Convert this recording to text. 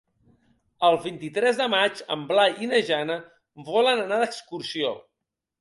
El vint-i-tres de maig en Blai i na Jana volen anar d'excursió.